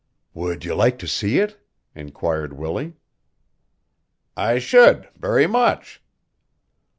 "Would you like to see it?" inquired Willie. "I should, very much."